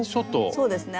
そうですね